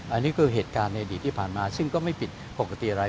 อันนี้คือเหตุการณ์ในอดีตที่ผ่านมาซึ่งก็ไม่ผิดปกติอะไร